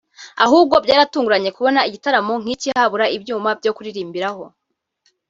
ahubwo byarantunguye kubona igitaramo nk’iki habura ibyuma byo kuririmbiraho